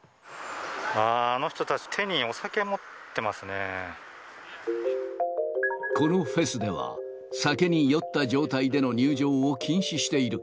あー、あの人たち、手にお酒、このフェスでは、酒に酔った状態での入場を禁止している。